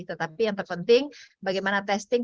tetapi yang terpenting bagaimana testing